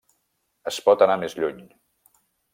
Es pot anar més lluny.